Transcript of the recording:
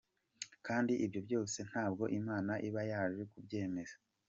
Kandi ibyo byose ntabwo Imana iba yaje kubyemeza.